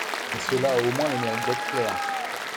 Mais cela a au moins le mérite d’être clair.